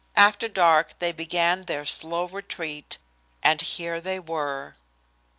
After dark they began their slow retreat and here they were.